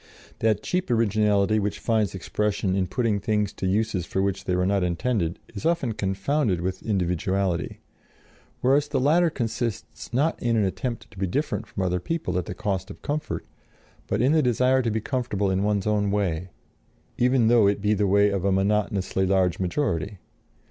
That cheap originality which finds expression in putting things to uses for which they were not intended is often confounded with individuality; whereas the latter consists not in an attempt to be different from other people at the cost of comfort, but in the desire to be comfortable in one's own way, even though it be the way of a monotonously large majority.